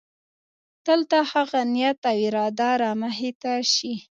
دلته هغه نیت او اراده رامخې ته شي.